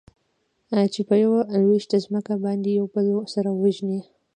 چې په يوه لوېشت ځمکه باندې يو بل سره وژني.